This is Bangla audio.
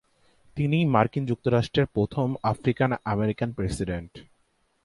তিনিই মার্কিন যুক্তরাষ্ট্রের প্রথম আফ্রিকান-অ্যামেরিকান প্রেসিডেন্ট।